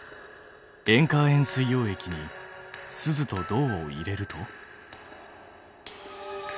２塩化亜鉛水溶液にスズと銅を入れると？